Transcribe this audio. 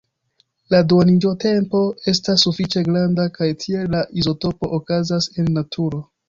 La duoniĝotempo estas sufiĉe granda kaj tiel la izotopo okazas en naturo.